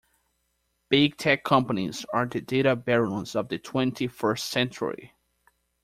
Big tech companies are the data barons of the twenty first century.